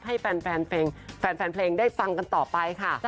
ให้แฟนเพลงได้ฟังกันต่อไปค่ะ